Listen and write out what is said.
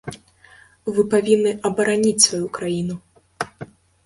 Вы павінны абараніць сваю краіну.